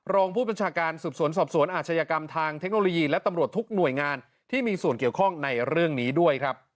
รองผู้บัญชาการสืบสวนสอบสวนอาชญากรรมทางเทคโนโลยีและตำรวจทุกหน่วยงานที่มีส่วนเกี่ยวข้องในเรื่องนี้ด้วยครับ